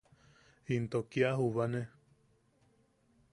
¡Into kia jubane!